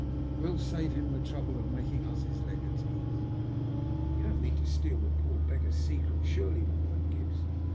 " We'll save him the trouble of making us his legatees." '' Tou don't mean to steal the poor beggar's secret, surely ?" replied Gibbs.